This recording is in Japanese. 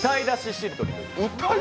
しりとり。